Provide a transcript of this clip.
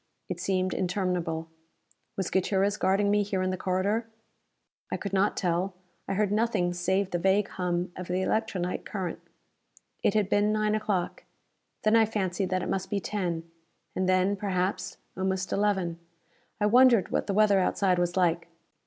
It seemed interminable. Was Gutierrez guarding me here in the corridor? I could not tell; I heard nothing save the vague hum of the electronite current. It had been 9 o'clock. Then I fancied that it must be 10. And then, perhaps, almost 11. I wondered what the weather outside was like.